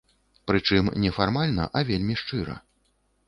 Прычым не фармальна, а вельмі шчыра.